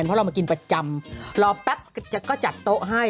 เพราะเรามากินประจำรอแป๊บก็จัดโต๊ะให้